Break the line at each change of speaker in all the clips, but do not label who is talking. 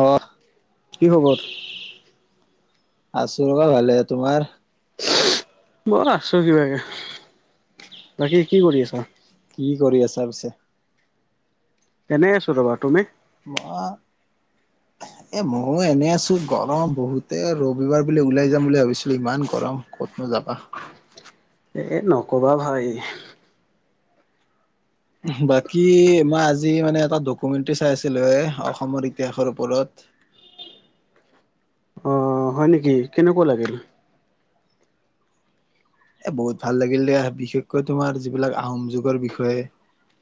অঁ।
কি খবৰ?
আছো ৰবা ভালেই, তোমাৰ?
মই আছো কিবাকে, বাকী কি কৰি আছা?
কি কৰি আছা পিছে?
এনে আছোঁ ৰ'বা, তুমি?
[unintelligible]
[inaudible]
এ মইয়ো এনে আছো গৰম বহুতে ৰবিবাৰ বুলি ওলাই যাম বুলি ভাবিছিলো ইমান গৰম ক'তনো যাবা।
এ নকবা ভাই।
বাকী মই আজি মানে এটা ডকুমেণ্টৰী চাই আছিলো এ অসমৰ ইতিহাসৰ ওপৰত
অঁ হয় নেকি কেনেকুৱা লাগিল।
এ বহুত ভাল লাগিল দিয়া বিশেষকৈ তোমাৰ যিবিলাক আহোম যুগৰ বিষয়ে্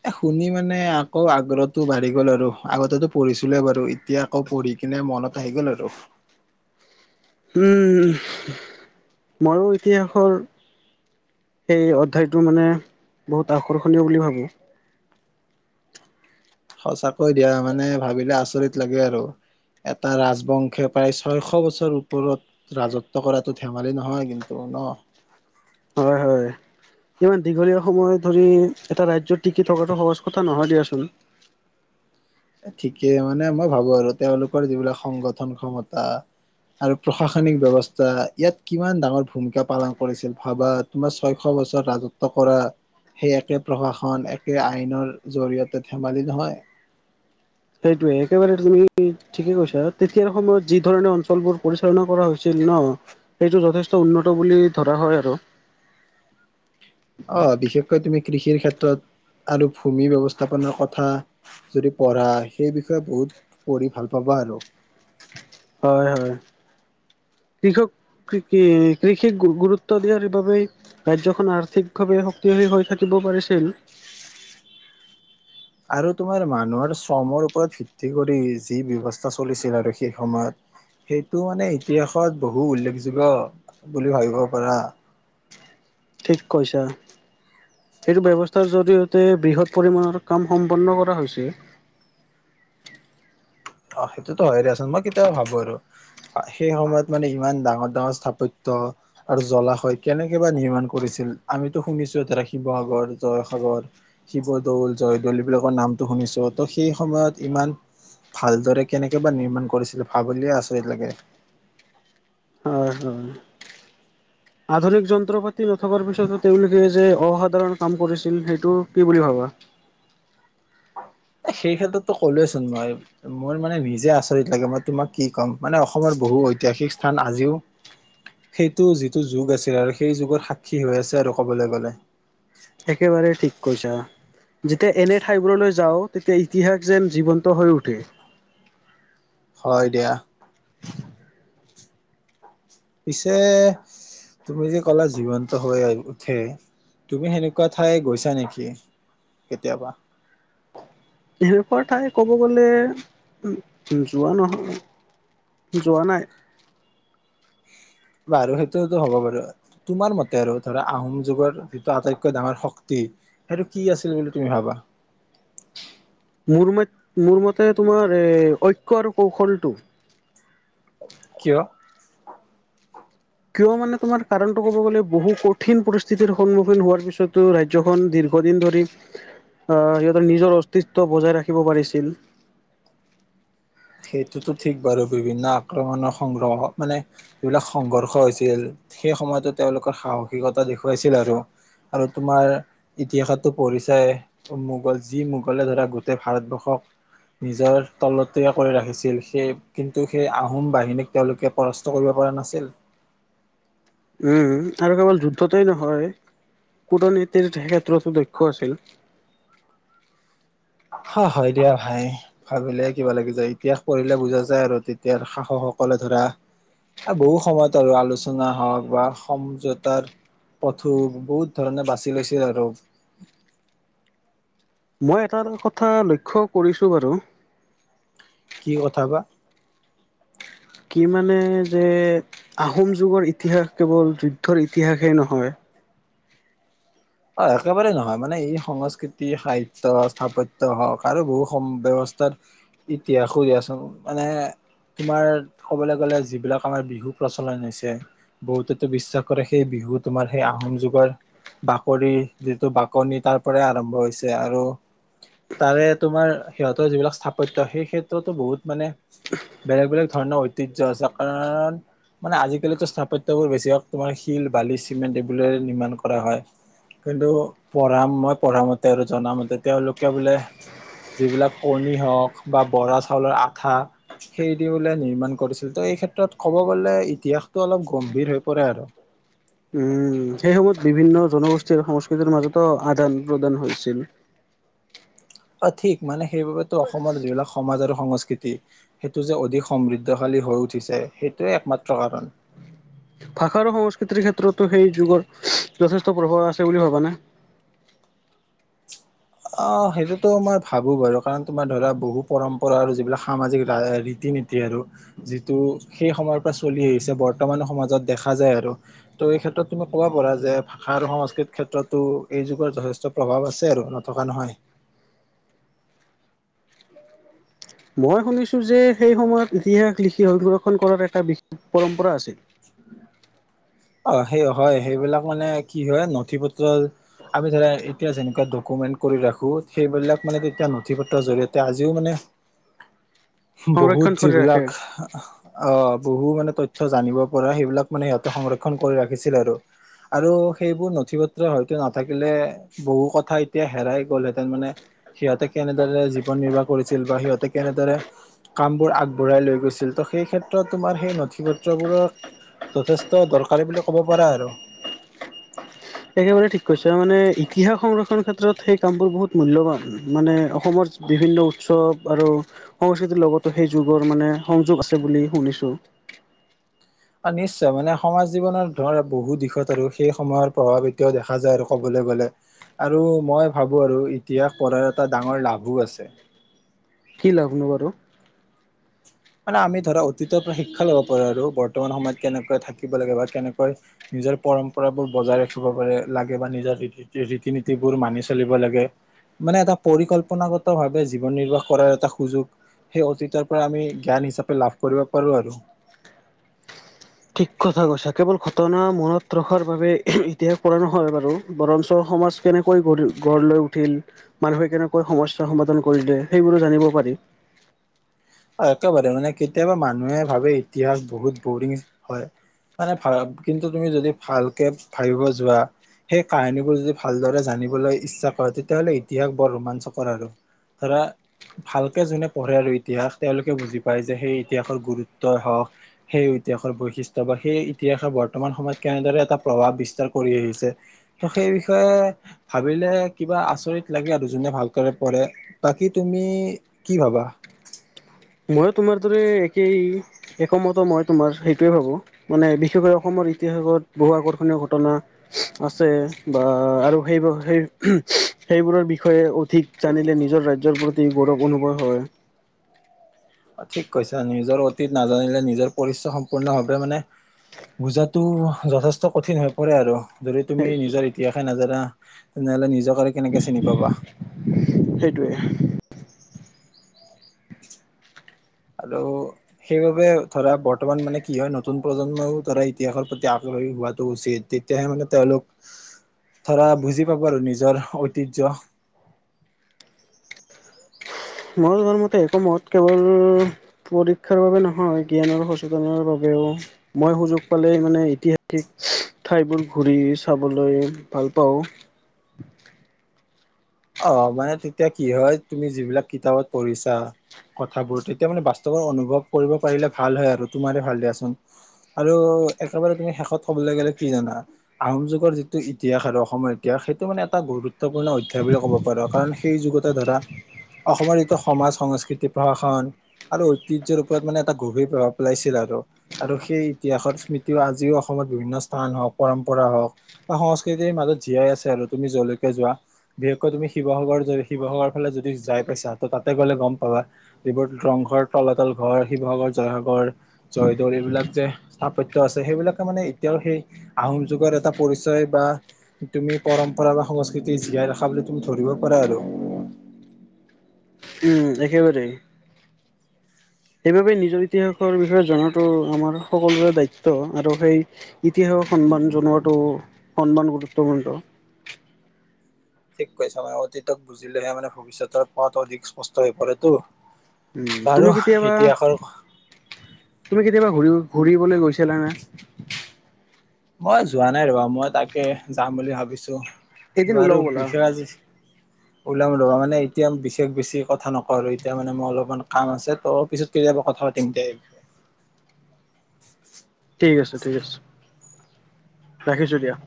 এ শুনি মানে আকৌ আগ্ৰহটো বাঢ়ি গ'ল আৰু আগতেতো পঢ়িছিলোয়েই বাৰু। এতিয়া আকৌ পঢ়ি কিনে মনত আহি গ'ল আৰু‌
উম মইয়ো ইতিহাসৰ। এই অধ্যায়টো মানে বহুত আকৰ্ষণীয় বুলি ভাবোঁ।
সঁচাকৈ দিয়া মানে ভাবিলে আচৰিত লাগে আৰু এটা ৰাজবংশে প্ৰায় ছয়শ বছৰ ওপৰত। ৰাজত্ব কৰাটো ধেমালি নহয় কিন্তু ন।
হয় হয়। ইমান দীঘলীয়া সময় ধৰি এটা ৰাজ্যত টিকি থকাটো সহজ কথা নহয় দিয়াচোন
ঠিকেই মানে মই ভাবো আৰু তেওঁলোকৰ যিবিলাক সংগঠন ক্ষমতা। আৰু প্ৰশাসনিক ব্যৱস্থা ইয়াত কিমান ডাঙৰ ভূমিকা পালন কৰিছিল ভাৱত। তোমাৰ ছয়শ বছৰ ৰাজত্ব কৰা। সেই একে প্ৰশাসন একে আইনৰ জৰিয়তে ধেমালি নহয়।
সেইটোৱে একেবাৰ তুমি। ঠিকে কৈছা তেতিয়াৰ সময়ত যি ধৰণে অঞ্চলবোৰ পৰিচালনা কৰা হৈছিল ন। সেইটো যথেষ্ট উন্নত বুলি ধৰা হয় আৰু
অ বিশেষকৈ তুমি কৃষিৰ ক্ষেত্ৰত আৰু ভূমি ব্যৱস্থাপনাৰ কথা যদি পঢ়া সেই বিষয়ে বহুত পঢ়ি ভাল পাবা আৰু।
হয় হয় কৃষক। কৃষ কৃষিক গুৰুত্ব দিয়াৰ বাবোবেই। ৰাজ্যখন আৰ্থিকভাৱে শক্তিশালী হৈ থাকিব পাৰিছিল।
আৰু তোমাৰ মানুহৰ শ্ৰমৰ ওপৰত ভিত্তি কৰি যি ব্যৱস্থা চলিছিল আৰু সেই সময়ত। সেইটো মানে ইতিহাসত বহু উল্লেখযোগ্য বুলি ভাবিব পাৰা।
ঠিক কৈছা। সেইটো ব্যৱস্থাৰ জৰিয়তে বৃহৎ পৰিমাণৰ কাম সম্পন্ন কৰা হৈছে।
অ সেইটোতো হয়ে আচোন মই কেতিয়াও ভাবো আৰু। সেই সময়ত মানে ইমান ডাঙৰ ডাঙৰ স্থাপত্য। আৰু জলাশয় কেনেকে বা নিৰ্মাণ কৰিছিল আমিতো শুনিছো ধৰা শিৱসাগৰ জয়সাগৰ। শিৱদৌল জয়দৌল এইবিলাকৰ নামটো শুনিছোঁ তো সেই সময়ত ইমান। ভালদৰে কেনেকে বা নিৰ্মাণ কৰিছিলে ভাব বুলিয়ে আচৰি লাগে।
হয় হয়। আধুনিক যন্ত্ৰ পাতি নথকাৰ পিছতো তেওঁলোকে যে অসাধাৰণ কাম কৰিছিল সেইটো কি বুলি ভাবা
সেই ক্ষেত্ৰতো ক'লোৱেচোন মই। মই মানে নিজে আচৰিত লাগে মই তোমাক কি ক'ম মানে অসমৰ বহু ঐতিহাসিক স্থান আজিও সেইটো যিটো যুগ আছিল আৰু সেই যুগত সাক্ষী হৈ আছে আৰু ক'বলৈ গ'লে।
একেবাৰে ঠিক কৈছা। যেতিয়া এনে ঠাইবোৰলৈ যাওঁ তেতিয়া ইতিহাস যেন জীৱন্ত হৈ উঠে।
হয়, দিয়া। পিছে। তুমি যে ক'লা জীৱন্ত হৈ উঠে তুমি সেনেকুৱা ঠাই গৈছা নেকি? কেতিয়াবা।
সেনেকুৱা ঠাই ক'ব গ'লে যোৱা নহয়। যোৱা নাই।
বাৰু সেইততো হ'ব বাৰু। তোমাৰ মতে আৰু ধৰা আহোম যুগৰ যিটো আটাইতকৈ ডাঙৰ শক্তি। সেইটো কি আছিল বুলি তুমি ভাবা।
মোৰ ম মোৰ মতে তোমাৰ এ ঐক্য আৰু কৌশলটো।
কিয়?
কিয় মানে তোমাৰ কাৰণটো ক'ব গ'লে বহু কঠিন পৰিস্থিতিৰ সন্মুখীন হোৱাৰ পিছতো। ৰাজ্যখন দীৰ্ঘদিন ধৰি আহ সিহঁতৰ নিজৰ অস্তিত্ব বজাই ৰাখিব পাৰিছিল।
সেইটোতো ঠিক বাৰু বিভিন্ন আক্ৰমণৰ সংগ্ৰহ মানে। এইবিলাক সংঘৰ্ষ হৈছিল সেই সময়তো তেওঁলোকৰ সাহসিকতা দেখুৱাইছিল আৰু। আৰু তোমাৰ। ইতিহাসতো পঢ়িছাই মোগল যি মোগলে ধৰা গোটেই ভাৰতবৰ্ষক। নিজৰ তলত। কৰি ৰাখিছিল সেই কিন্তু সেই আহোম বাহিনীক তেওঁলোকে পৰাস্ত কৰিব পৰা নাছিল।
উম আৰু কেৱল যুদ্ধতেই নহয় কূটনীতিৰ ক্ষেত্ৰতো দক্ষ আছিল।
হয় হয় দিয়া ভাই। ভাবিলে কিবা লাগি যায় ইতিহাস পঢ়িলে বুজা যায় আৰু তেতিয়াৰ শাহসকলে ধৰা। আকৌ ব সময়ত আৰু আলোচনা হওক বা সমপিয়তাত। পথু বহুত ধৰণে বাছি লৈছে আৰু।
মই এটা কথা লক্ষ্য কৰিছোঁ বাৰু।
কি কথা বা।
কি মানে যে আহোম যুগৰ ইতিহাস কেৱল যুদ্ধৰ ইতিহাসেই নহয়।
অ একেবাৰে জানা মানে এই সংস্কৃতি সাহিত্য স্থাপত্য হওঁক আৰু বহু সম ব্যৱস্থাত। ইতিহাসো দিয়াচোন মানে। তোমাৰ ক'বলৈ গ'লে যিবিলাক আমাৰ বিহু প্ৰচলন হৈছে। বহুতেতো বিশ্বাস কৰে সেই বিহু তোমাৰ সেই আহোম যুগৰ। কৰি যিটো বাকনি তাৰ পৰাই আৰম্ভ হৈছে আৰু। তাৰে তোমাৰ সিহঁতৰ যিবিলাক স্থাপত্য সেই ক্ষেত্ৰতো বহুত মানে। বেলেগ বেলেগ ধৰণৰ ঐতিয্য আছে কাৰণ। মানে আজিকালিতো স্থাপত্যবোৰ বেছি হওক তোমাৰ শিল বালি চিমেণ্ট এইবোৰে নিৰ্মাণ কৰা হয়। কিন্তু পঢ়া মই পঢ়ামতে আৰু জনামতে তেওঁলোকে বোলে। যিবিলাক কণী হওঁক বা বৰা চাউলৰ আঠা। সেই দিওঁ বোলে নিৰ্মাণ কৰিছিল ত' এই ক্ষেত্ৰত ক'ব গলে ইতিহাসতটো অলপ গম্ভীৰ হৈ পৰে আৰু।
উ সেই সময়ত বিভিন্ন জনগোষ্ঠীৰ সংস্কৃতিৰ মাজতো আদান প্ৰদান হৈছিল।
অ' ঠিক মানে সেইবাবেতো অসমৰ যিবিলাক সমাজ আৰু সংস্কৃতি। সেইটো যে অধিক সমৃদ্ধশালী হৈ উঠিছে সেইটোৱে একমাত্ৰ কাৰণ।
ভাষা আৰু সংস্কৃতিৰ ক্ষেত্ৰতো সেই যুগৰ যথেষ্ট প্ৰভাৱ আছে বুলি ভাবা নে।
অ সেইটোতো মই ভাবোঁ বাৰু কাৰণ তোমাৰ ধৰা বহু পৰম্পৰা আৰু যিবিলাক সামাজিক ৰীতি নীতি। এ আৰু যিটো সেই সময়ৰ পৰা চলি আহিছে বৰ্তমান সমাজত দেখা যায় আৰু। ত' এই ক্ষেত্ৰ তুমি কব পাৰা যে ভাষা আৰু সংস্কৃতিৰ ক্ষেত্ৰতো এই যুগৰ যথেষ্ট প্ৰভাৱ আছে আৰু। টকা নহয়।
মই শুনিছো যে, সেই সময়ত ইতিহাস লিখি সংৰক্ষণ কৰাৰ এটা বিশেষ পৰম্পৰা আছিল।
অ' সেই হয়, সেইবিলাক মানে কি হয়, নথি পত্ৰ আমি ধৰা এতিয়া যেনেকুৱা ডকুমেন্ট কৰি ৰাখোঁ, সেইবিলাক মানে তেতিয়া নথি পত্ৰৰ জৰিয়তে তেতিয়া আজিও মানে
[inaudible]
বহুত
কৰি ৰাখে।
যিবিলাক অ' বহু মানে তথ্য জানিব পৰা সেইবিলাক মানে সিহঁতে সংৰক্ষণ কৰি ৰাখিছিল আৰু। আৰু সেইবোৰ নথি পত্ৰ হয়তো নাথাকিলে বহু কথা এতিয়া হেৰাই গ'লহেঁতেন মানে সিহঁতে কেনেদৰে জীৱন নিৰ্বাহ কৰিছিল বা সিহঁতে কেনেদৰে কামবোৰ আগবঢ়াই লৈ গৈছিল ত' সেই ক্ষেত্ৰত তোমাৰ সেই নথি পত্ৰবোৰৰ যথেষ্ট দৰকাৰী বুলি ক'ব পাৰা আৰু।
একেবাৰে ঠিক কৈছা, মানে ইতিহাস সংৰক্ষণ ক্ষেত্ৰত সেই কামবোৰ বহুত মূল্যৱান। মানে অসমৰ বিভিন্ন উৎসৱ আৰু সংস্কৃতিৰ লগতো সেই যুগৰ মানে সংযোগ আছে বুলি শুনিছো।
আৰু নিশ্চয় মানে সমাজ জীৱনৰত ধৰা বহু দিশত আৰু সেই সময়ৰ প্ৰভাৱ এতিয়াও দেখা যায়। আৰু ক'বলৈ গ'লে। আৰু মই ভাবো, আৰু ইতিহাস পঢ়াৰ এটা ডাঙৰ লাভো আছে।
কি লাভনো বাৰু।
মানে আমি ধৰা অতীতৰ পৰা শিক্ষা ল'ব পাৰোঁ আৰু। বৰ্তমান সময়ত কেনেকৈ থাকিব লাগে বা কেনেকৈ নিজৰ পৰম্পৰাবোৰ বজাই ৰাখিব পাৰে লাগে। বা নিজৰ ৰীতি ৰীতি- নীতিবোৰ মানি চলিব লাগে। মানে এটা পৰিকল্পনাগত ভাৱে জীৱন নিৰ্বাহ কৰাৰ এটা সুযোগ। সেই অতীতৰ পৰা আমি জ্ঞান হিচাপে লাভ কৰিব পাৰোঁ আৰু।
ঠিক কথা কৈছে, কেৱল ঘটনা মনত ৰখাৰ বাবে ইতিহাস পৰা নহয় বাৰু বৰঞ্চ সমাজ কেনেকৈ গ, গঢ় লৈ উঠিল। মানুহে কেনেকৈ সমস্যা সমাধান কৰিলে, সেইবোৰো জানিব পাৰি।
অ', একেবাৰে মানে কেতিয়াবা মানুহে ভাবে ইতিহাস বহুত বৰিং হয়। মানে ভাল, কিন্তু তুমি যদি ভালকে ভাবিব যোৱা। সেই কাহানীবোৰ যদি ভালদৰে জানিবলৈ ইচ্ছা কৰা। তেতিয়াহ'লে ইতিহাস বৰ ৰোমাঞ্চকৰ আৰু। ধৰা, ভালকে যোনে পঢ়ে আৰু ইতিহাস। তেওঁলোকে বুজি পায় যে সেই ইতিহাসৰ গুৰুত্বই হওক। সেই ইতিহাসৰ বৈশিষ্ট্য বা সেই ইতিহাসে বৰ্তমান সময়ত কেনেদৰে এটা প্ৰভাৱ বিস্তাৰ কৰি আহিছে। ত' সেই বিষয়ে ভাবিলে কিবা আচৰিত লাগে আৰু, যোনে ভালকৰে পঢ়ে। বাকি তুমি কি ভাবা?
মইো তোমাৰ দৰে একেই। একমত মই তোমাৰ সেইটোৱে হব। ভাবো মানে বিশেষকৈ অসমৰ ইতিহাসত বহু আকৰ্ষণীয় ঘটনা আছে বা আৰু সেইবোৰ সেই সেইবোৰৰ বিষয়ে ঠিক জানিলে, নিজৰ ৰাজ্যৰ প্ৰতি গৌৰৱ অনুভৱ হয়।
ঠিক কৈছা, নিজৰ অতীত নাজানিলে নিজৰ পৰিচয় সম্পূৰ্ণভাৱে মানে বুজাটো যথেষ্ট কঠিন হৈ পৰে আৰু। যদি তুমি
সেই
নিজৰ ইতিহাসে নাজানা। তেনেহ'লে নিজকে কেনেকে চিনি পাবা।
সেইটোৱে।
আৰু সেইবাবে ধৰা বৰ্তমান মানে কি হয়, নতুন প্ৰজন্মইও ধৰা ইতিহাসৰ প্ৰতি আগ্ৰহী হোৱাটো উচিত। তেতিয়াহে মানে তেওঁলোক
হয়।
ধৰা, বুজি পাব আৰু নিজৰ ঐতিহ্য।
মই জনা মতে একমত কেৱল পৰীক্ষাৰ বাবে নহয় জ্ঞানৰ সচেতনৰ বাবেয়ো। মই সুযোগ পালে মানে ইতিহাসিক ঠাইবোৰ ঘূৰি চাবলৈ ভাল পাওঁ।
অ মানে তেতিয়া কি হয়, তুমি যিবিলাক কিতাপত পঢ়িছা কথাবোৰ তেতিয়া মানে বাস্তৱত অনুভৱ কৰিব পাৰিলে ভাল হয় আৰু তোমাৰ ভাল দিয়াচোন। আৰু একেবাৰে তুমি শেষত কবলৈ গ'লে কি জানা। আহোম যুগৰ যিটো ইতিহাস আৰু অসমৰ ইতিহাস সেইটো মানে এটা গুৰুত্বপূৰ্ণ অধ্যয়ায় বুলি ক'ব পাৰো, কাৰণ সেই যুগতা ধৰা, অসমৰ যিটো সমাজ সংস্কৃতি প্ৰশাসন আৰু ঐতিহ্যৰ ওপৰত মানে এটা গভীৰ প্ৰভাৱ পেলাইছিল আৰু। আৰু সেই ইতিহাসৰ স্মৃতিও আজিও অসমত বিভিন্ন স্থান হওক, পৰম্পৰা হওক, বা সংস্কৃতিৰ মাজত জীয়াই আছে আৰু তুমি যৰলৈকে যোৱা। বিশেষকৈ তুমি শিৱসাগৰ যদি শিৱসাগৰ ফালে যদি যাই পাইছা, ত তাতে গ'লে গম পাবা। এইবোৰ ৰংঘৰ, তলাতল ঘৰ, শিৱসাগৰ, জয়সাগৰ, জয়দৌৰ এইবিলাক যে স্থাপত্য আছে, সেইবিলাকে মানে এতিয়াও সেই আহোম যুগৰ এটা পৰিচয় বা তুমি পৰম্পৰা বা সংস্কৃতি জীয়াই ৰা খা বুলি তুমি ধৰিব পাৰ আৰু।
উম একেবাৰে। সেইবাবে নিজৰ ইতিহাসৰ বিষয়ে জনাতো আমাৰ সকলোৰে দায়িত্ব, আৰু সেই ইতিহাসক সন্মান জনোৱাটো, সন্মান গুৰুত্বপূৰ্ণ।
ঠিক কৈছা মানে অতীতক বুজিলেহে মানে ভৱিষ্যতৰ পোৱাতো অধিক স্পষ্ট হৈ পৰেতো।
উম তুমি
বাৰু
কেতিয়াবা
ইতিহাসৰ
তুমি কেতিয়াবা ঘুৰি
উম,
ঘুৰিবলৈ গৈছিলা না?
মই যোৱা নাই ৰবা, মই তাকে যাম বুলি ভাবিছো
এদিন ওলাও
বাৰু
ব'লা
বিষয় আজি
[inaudible]
ওলাম ৰবা মানে এতিয়া বিশেষ বেছি কথা নকওঁ আৰু এতিয়া মানে মোৰ অলপমান কাম আছে ত পিছত কেতিয়াবা কথা পাতিম দে
ঠিক আছে ঠিক আছে। ৰাখিছো দিয়া।